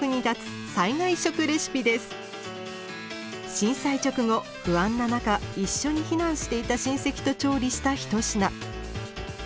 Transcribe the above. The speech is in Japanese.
震災直後不安な中一緒に避難していた親戚と調理した一品。